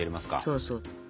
そうそう。